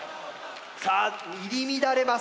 さあ入り乱れます。